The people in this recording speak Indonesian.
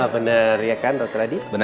benar ya kan dokter adi benar